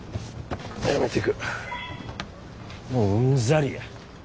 もううんざりや。